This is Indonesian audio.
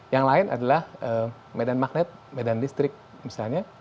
yang lain adalah medan magnet medan listrik misalnya